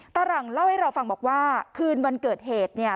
หลังเล่าให้เราฟังบอกว่าคืนวันเกิดเหตุเนี่ย